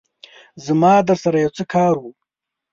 زما درسره يو څه کار وو